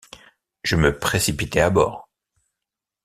Je me précipitai à bord.